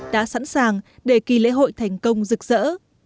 đã sẵn sàng để kỳ lễ hội thành công rực rỡ